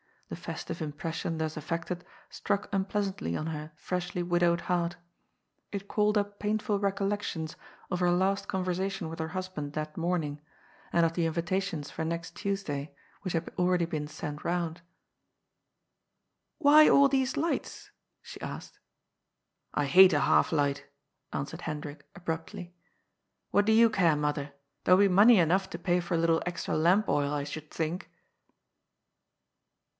The festive impres sion thus effected struck unpleasantly on her freshly wid owed heart. It called up painful recollections of her last conversation with her husband that morning, and of the 110 GOD'S POOL. inyitations for next Tuesday which had already been sent round. " Why all these lights?" she asked. "I hate a half light," answered Hendrik abruptly. " What do you care, mother? There'll be money enough to pay for a little extra lamp oil, I should think."